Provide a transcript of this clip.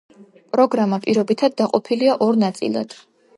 პროგრამა პირობითად დაყოფილია ორ ნაწილად.